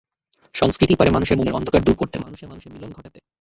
সংস্কৃতিই পারে মানুষের মনের অন্ধকার দূর করতে, মানুষে মানুষে মিলন ঘটাতে।